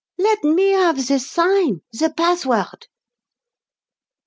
"Let me have the sign, the password!"